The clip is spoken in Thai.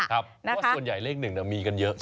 เพราะว่าส่วนใหญ่เลขหนึ่งมีกันเยอะ